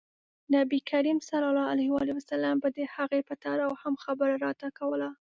نبي کریم ص به د هغې په تړاو هم خبره راته کوله.